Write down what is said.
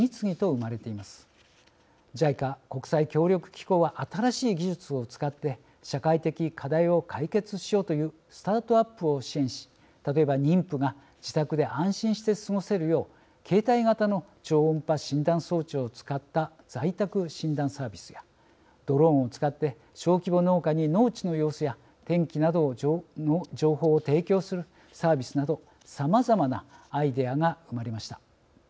ＪＩＣＡ国際協力機構は新しい技術を使って社会的課題を解決しようというスタートアップを支援し例えば妊婦が自宅で安心して過ごせるよう携帯型の超音波診断装置を使った在宅診断サービスやドローンを使って小規模農家に農地の様子や天気などの情報を提供するサービスなどさまざまなアイデアが生まれました。